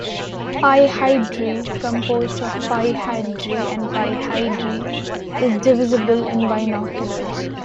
Pi Hydri, composed of Pi Hydri and Pi Hydri, is divisible in binoculars.